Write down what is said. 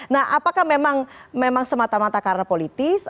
nah apakah memang semata mata karena politis